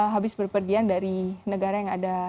habis berpergian dari negara yang ada